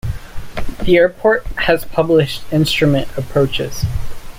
The airport has published instrument approaches.